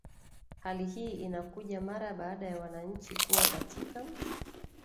hali hii inakuja mara baada ya wananchi kuwa katika